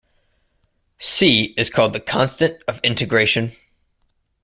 "C" is called the constant of integration.